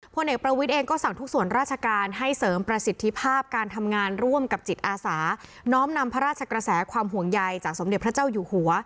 พลเอกประวิทย์เองก็สั่งทุกส่วนราชการให้เสริมประสิทธิภาพการทำงานร่วมกับจิตอาสาน้อมนำพระราชกระแสความห่วงใยจากสมเด็จพระเจ้าอยู่หัว